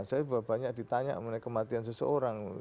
saya banyak ditanya mengenai kematian seseorang